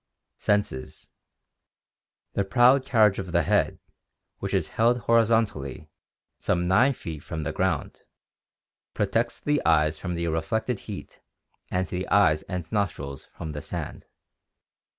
Senses. — The proud carriage of the head, which is held hori zontally some 9 feet from the ground, protects the eyes from the reflected heat and the eyes and nostrils from the sand.